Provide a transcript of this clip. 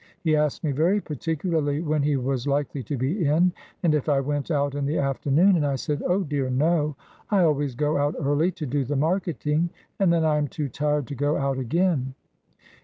He asked me very particularly when he was likely to be in, and if I went out in the afternoon, and I said, 'Oh, dear no, I always go out early to do the marketing, and then I am too tired to go out again.'